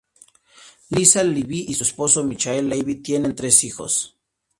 Liza Levy y su esposo, Michael Levy, tienen tres hijos.